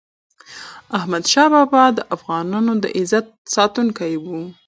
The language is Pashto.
احمد شاه بابا د افغانانو د عزت ساتونکی و.